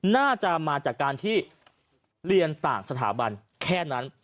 น่าจะมาจากการที่เรียนต่างสถาบันแค่นั้น